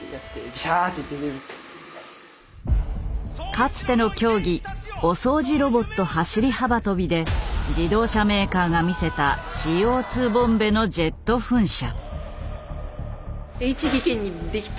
かつての競技お掃除ロボット走り幅跳びで自動車メーカーが見せたＣＯ２ボンベのジェット噴射。